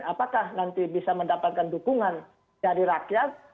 apakah nanti bisa mendapatkan dukungan dari rakyat